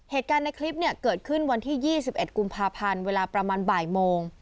เหตุการณ์ในคลิปเนี่ยเกิดขึ้นวันที่๒๑กุมภาพันธ์เวลาประมาณบ่ายโมง